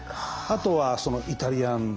あとはイタリアンね